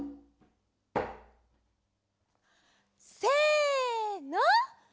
せの！